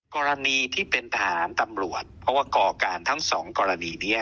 กรณีที่เป็นทหารตำรวจเพราะว่าก่อการทั้งสองกรณีนี้